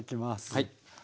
はい。